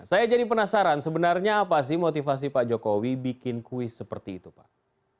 saya jadi penasaran sebenarnya apa sih motivasi pak jokowi bikin kuis seperti itu pak